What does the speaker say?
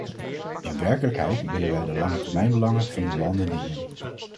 In werkelijkheid willen wij de langetermijnbelangen van die landen dienen.